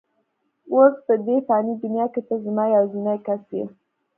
اوس په دې فاني دنیا کې ته زما یوازینۍ کس یې.